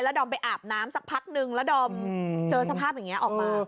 ดอมไปอาบน้ำสักพักนึงแล้วดอมเจอสภาพอย่างนี้ออกมา